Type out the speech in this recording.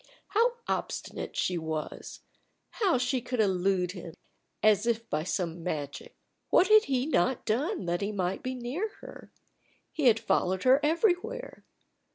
How obstinate she was! How she could elude him, as if by some magic! What had he not done that he might be near her? He had followed her everywhere.